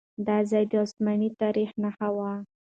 دا ځای د عثماني تاريخ نښه وه.